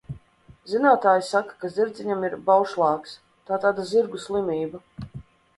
Zinātāji saka, ka zirdziņam ir baušlāgs tā tāda zirgu slimība.